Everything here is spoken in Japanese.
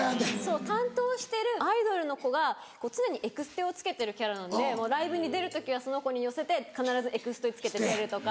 担当してるアイドルの子が常にエクステをつけてるキャラなんでライブに出る時はその子に寄せて必ずエクステをつけて出るとか。